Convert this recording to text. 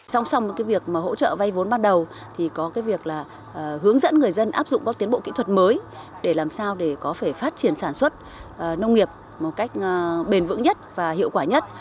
song song với cái việc mà hỗ trợ vay vốn ban đầu thì có cái việc là hướng dẫn người dân áp dụng các tiến bộ kỹ thuật mới để làm sao để có thể phát triển sản xuất nông nghiệp một cách bền vững nhất và hiệu quả nhất